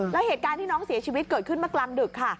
แล้วเหตุการณ์ที่น้องเสียชีวิตเกิดขึ้นเมื่อกลางดึกค่ะ